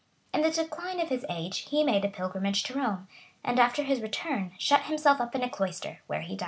In the decline of his age he made a pilgrimage to Rome; and after his return, shut himself up in a cloister, where he died.